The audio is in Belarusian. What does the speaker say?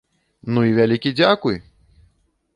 Ну, і вялікі дзякуй!